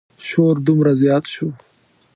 شور دومره زیات شو.